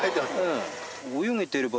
うん。